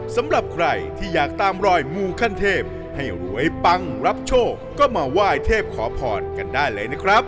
สำหรับใครที่จะต้องตามรอยมูลขั้นเทพให้รวยปังรับโชคก็มาว่ายเทพขอพรได้เลย